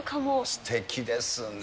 すてきですね。